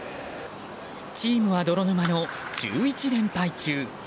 チームは泥沼の１１連敗中。